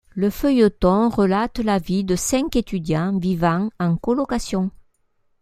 Le feuilleton relate la vie de cinq étudiants vivant en colocation.